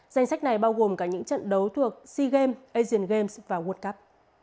danh sách này bao gồm cả những trận đấu thuộc sea games asian games và world cup